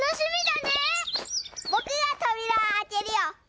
ぼくがとびらをあけるよ。